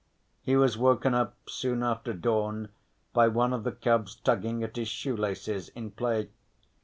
He was woken up soon after dawn by one of the cubs tugging at his shoelaces in play.